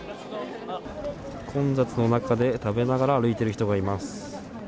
混雑の中で食べながら歩いている人がいます。